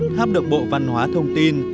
tháp được bộ văn hóa thông tin